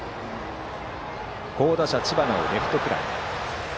好打者・知花をレフトフライ。